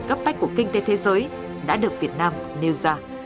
cấp bách của kinh tế thế giới đã được việt nam nêu ra